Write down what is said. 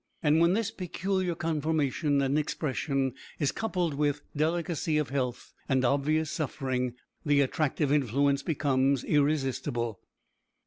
And when this peculiar conformation and expression is coupled with delicacy of health, and obvious suffering, the attractive influence becomes irresistible.